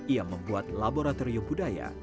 ia membuat laboratorium budaya